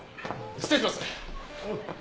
失礼します！